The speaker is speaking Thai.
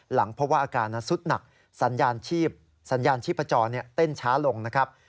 หลังพบว่าอาการสุดหนักสัญญาณชีพสัญญาณชีพจรเต้นช้าลงนะครับ